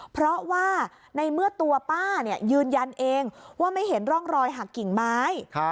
เพราะว่าในเมื่อตัวป้ายืนยันเองว่าไม่เห็นร่องรอยหักกิ่งไม้